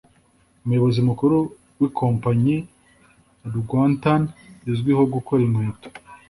Umuyobozi Mukuru w’Ikompanyi ‘Rwantan’ izwiho gukora inkweto